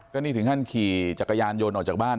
ก็นี่ถึงขั้นขี่จักรยานยนต์ออกจากบ้าน